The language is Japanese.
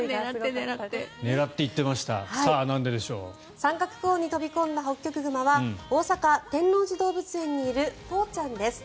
三角コーンに飛び込んだホッキョクグマは大阪・天王寺動物園にいるホウちゃんです。